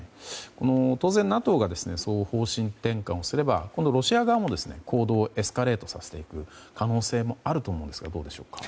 当然ＮＡＴＯが方針転換をすれば今度、ロシア側も行動をエスカレートさせていく可能性もあると思うんですがどうでしょうか。